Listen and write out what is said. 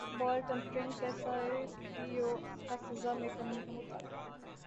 بال tampering کیساے پی یو کا سزا میں کمی کامطالبہ